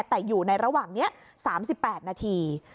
แต่อยู่ในระหว่างนี้๓๘นาที